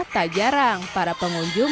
tak jarang para pengunjung